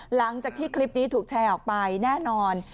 หลังจากที่คลิปนี้ถูกแชร์ออกไปแน่นอน